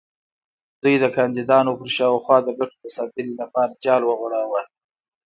دوی د کاندیدانو پر شاوخوا د ګټو د ساتنې لپاره جال وغوړاوه.